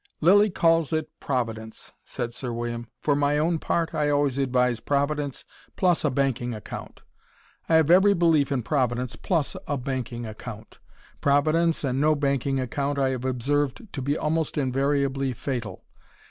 "Lilly calls it Providence," said Sir William. "For my own part, I always advise Providence plus a banking account. I have every belief in Providence, plus a banking account. Providence and no banking account I have observed to be almost invariably fatal.